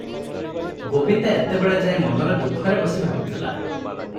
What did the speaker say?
ଗୋବିନ୍ଦା ଏତେବେଳେ ଯାଏ ମନର ଦୁଃଖରେ ବସି ଭାବୁଥିଲା ।